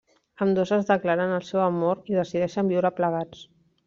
Ambdós es declaren el seu amor i decideixen viure plegats.